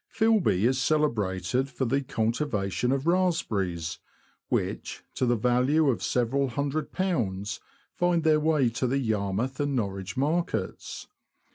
Filby is celebrated for the cultivation of raspberries, which, to the value of several hundred pounds, find their way to the Yarmouth and Norwich markets.